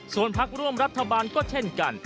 ส่วนพักร่วมรัฐบาลก็เช่นกัน